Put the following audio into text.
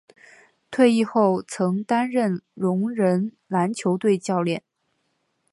退役后曾担任聋人篮球队教练。